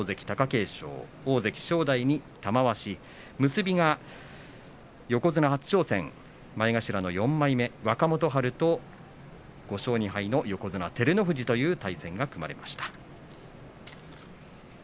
結びが横綱初挑戦前頭４枚目若元春と５勝２敗の横綱照ノ富士という対戦が組まれました。